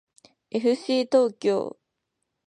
えふしー東京